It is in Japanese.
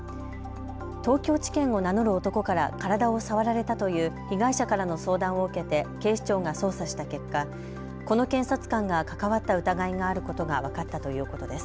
東京地検を名乗る男から体を触られたという被害者からの相談を受けて警視庁が捜査した結果、この検察官が関わった疑いがあることが分かったということです。